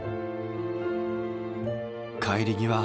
帰り際